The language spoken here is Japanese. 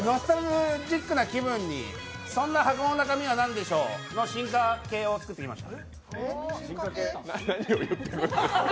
ノスタルジックな気分に「箱の中身は何でしょう？」の進化形を作ってきました。